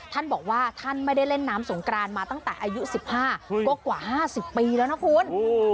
ท่านบอกว่าท่านไม่ได้เล่นน้ำสงกรานมาตั้งแต่อายุ๑๕ก็กว่า๕๐ปีแล้วนะคุณ